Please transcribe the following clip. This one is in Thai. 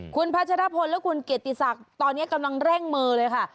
คุณพัชรพลและคุณเกียรติศักดิ์ตอนนี้กำลังเร่งมือเลยค่ะ